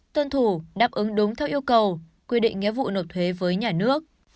tuân thủ đáp ứng đúng theo yêu cầu quy định nghĩa vụ nộp thuế với nhà nước